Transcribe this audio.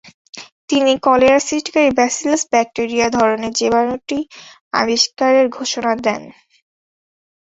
তিনি কলেরা সৃষ্টিকারী bacillus bacteria ধরনের জীবাণুটি আবিষ্কারের ঘোষণা দেন।